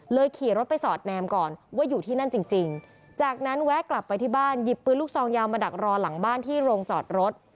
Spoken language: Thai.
ขี่รถไปสอดแนมก่อนว่าอยู่ที่นั่นจริงจากนั้นแวะกลับไปที่บ้านหยิบปืนลูกซองยาวมาดักรอหลังบ้านที่โรงจอดรถ